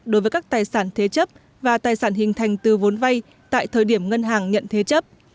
đối với các tài sản thế chấp và tài sản hình thành từ vốn vay tại thời điểm ngân hàng nhận thế chấp